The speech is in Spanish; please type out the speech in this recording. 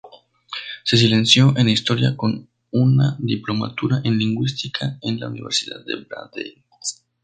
Se licenció en historia con una diplomatura en lingüística en la universidad de Brandeis.